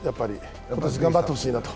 頑張ってほしいなと。